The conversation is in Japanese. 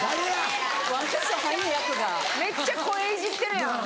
めっちゃ声いじってるやん。